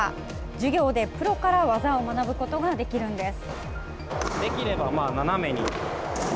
授業で、プロから技を学ぶことができるんです。